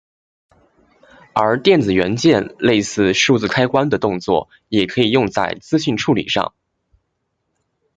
而电子元件类似数字开关的动作也可以用在资讯处理上。